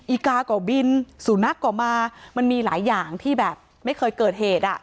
อีกาก็บินสูนักก็มามันมีหลายอย่างที่แบบไม่เคยเกิดเหตุอ่ะ